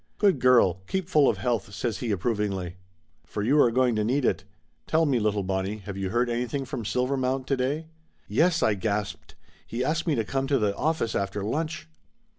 "Good girl, keep full of health!" says he approv ingly. "For you are going to need it. Tell me, little Bonnie, have you heard anything from Silvermount today?" "Yes!" I gasped. "He asked me to come to the office after lunch."